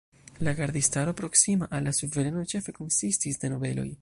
La gardistaro proksima al la suvereno ĉefe konsistis de nobeloj.